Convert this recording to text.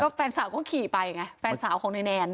แฟนสาวก็ขี่ไปไงแฟนสาวของนายแนน